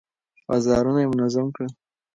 بازارونه يې منظم کړل.